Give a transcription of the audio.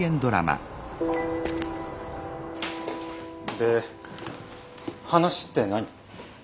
で話って何？